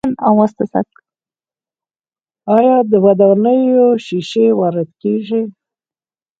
آیا د ودانیو ښیښې وارد کیږي؟